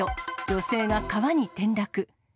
女性が川に転落。